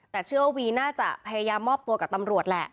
แต่เชื่อว่าวีน่าจะพยายามมอบตัวกับตำรวจแหละ